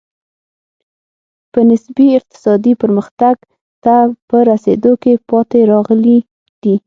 په نسبي اقتصادي پرمختګ ته په رسېدو کې پاتې راغلي دي.